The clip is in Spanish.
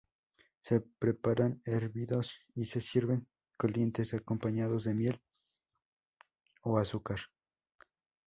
Se preparan hervidos y se sirven calientes, acompañados de miel o de azúcar.